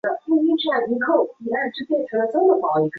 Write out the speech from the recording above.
民国九年肄业于金陵警官学校。